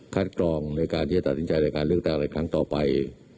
กรองในการที่จะตัดสินใจในการเลือกตั้งอะไรครั้งต่อไป